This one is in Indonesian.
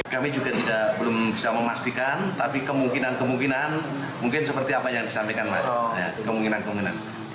kami juga belum bisa memastikan tapi kemungkinan kemungkinan mungkin seperti apa yang disampaikan